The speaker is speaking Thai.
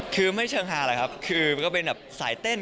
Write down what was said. คือไม่เชิงฮาหรอกครับคือมันก็เป็นแบบสายเต้น